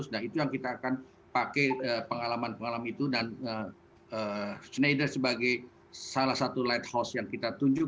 nah itu yang kita akan pakai pengalaman pengalaman itu dan schneider sebagai salah satu lighthouse yang kita tunjuk